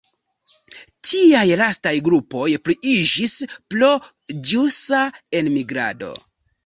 Tiaj lastaj grupoj pliiĝis pro ĵusa enmigrado.